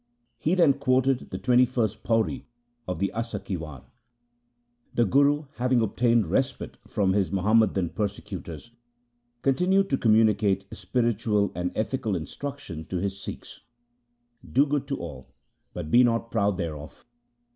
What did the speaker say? He then quoted the twenty first pauri of the Asa ki War. The Guru, having obtained respite from his LIFE OF GURU AMAR DAS 71 Muhammadan persecutors, continued to commu nicate spiritual and ethical instruction to his Sikhs :' Do good to all, but be not proud thereof.